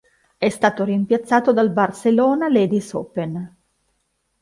È stato rimpiazzato dal Barcelona Ladies Open.